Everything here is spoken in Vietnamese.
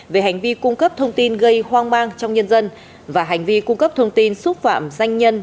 về hành vi cung cấp thông tin gây hoang mang trong nhân dân và hành vi cung cấp thông tin xúc phạm danh nhân